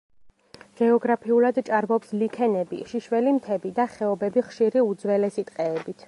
გეოგრაფიულად, ჭარბობს ლიქენები, შიშველი მთები და ხეობები ხშირი, უძველესი ტყეებით.